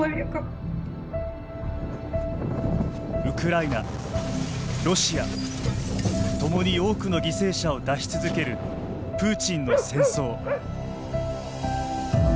ウクライナ、ロシア共に多くの犠牲者を出し続けるプーチンの戦争。